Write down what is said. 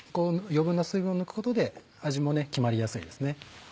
余分な水分を抜くことで味も決まりやすいですね。